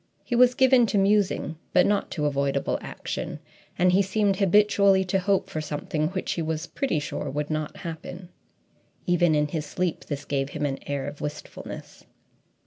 He was given to musing but not to avoidable action, and he seemed habitually to hope for something which he was pretty sure would not happen. Even in his sleep, this gave him an air of wistfulness.